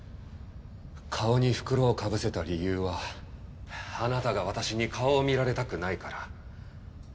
顔に袋をかぶせた理由はあなたが私に顔を見られたくないから。